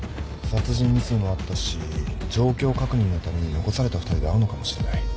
殺人未遂もあったし状況確認のために残された２人で会うのかもしれない。